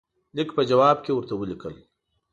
لیک په جواب کې ورته ولیکل.